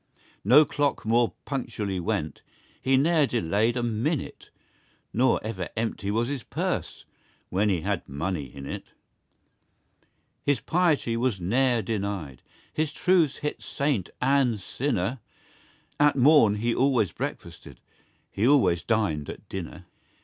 No clock more punctually went, He ne'er delayed a minute Nor ever empty was his purse, When he had money in it. His piety was ne'er denied; His truths hit saint and sinner; At morn he always breakfasted; He always dined at dinner.